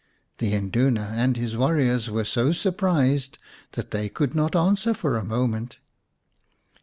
The Induna and his warriors were so surprised that they could not answer for a moment.